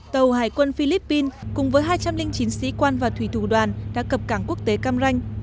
tàu hải quân philippines cùng với hai trăm linh chín sĩ quan và thủy thủ đoàn đã cập cảng quốc tế cam ranh